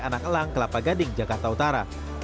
anak elang kelapa gading jakarta utara